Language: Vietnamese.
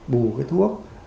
bù cái thuốc